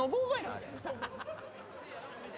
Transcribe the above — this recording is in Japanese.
あれ。